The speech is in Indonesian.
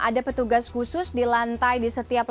ada petugas khusus di lantai di setiap